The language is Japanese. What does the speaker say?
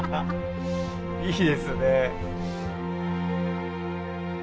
いいですね。